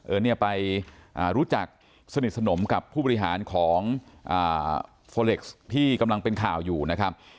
เนี่ยไปรู้จักสนิทสนมกับผู้บริหารของโฟเล็กซ์ที่กำลังเป็นข่าวอยู่นะครับ